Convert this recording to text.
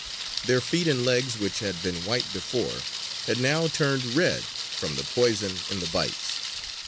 Their feet and legs, which had been white before, had now turned red from the poison in the bites.